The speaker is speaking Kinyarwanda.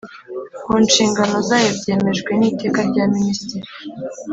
ku nshingano zayo byemejwe n iteka rya minisitiri